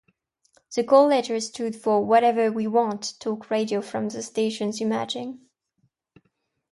The call letters stood for "Whatever We Want" talk radio from the station's imaging.